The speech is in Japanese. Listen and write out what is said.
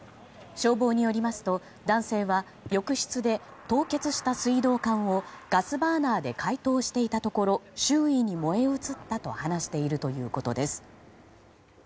消防によりますと男性は浴室で凍結した水道管をガスバーナーで解凍していたところ周囲に燃え移ったと話しているということです。